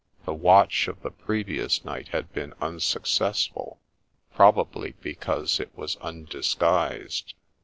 The watch of the previous night had been unsuccessful, probably because it was undis guised.